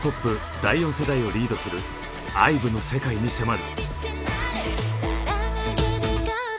第４世代をリードするＩＶＥの世界に迫る。